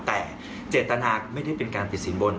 แต่เจตนาไม่ได้เป็นการติดสินบน